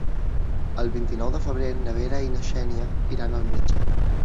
El vint-i-nou de febrer na Vera i na Xènia iran al metge.